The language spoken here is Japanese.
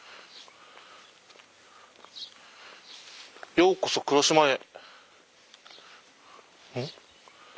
「ようこそ黒島へ」。